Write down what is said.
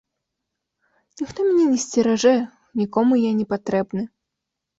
Ніхто мяне не сцеражэ, нікому я не патрэбны.